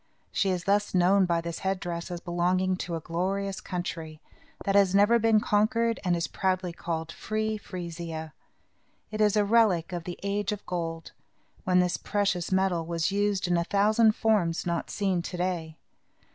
She is thus known by this head dress as belonging to a glorious country, that has never been conquered and is proudly called Free Frisia. It is a relic of the age of gold, when this precious metal was used in a thousand forms, not seen to day.